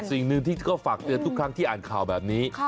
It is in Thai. สิ่งหนึ่งที่ก็ฝากเตือนทุกครั้งที่อ่านข่าวแบบนี้